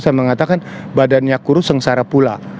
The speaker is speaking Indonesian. saya mengatakan badannya kurus sengsara pula